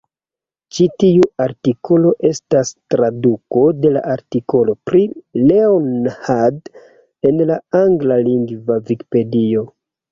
Ĉi tiu artikolo estas traduko de la artikolo pri Leonhard en la anglalingva Vikipedio.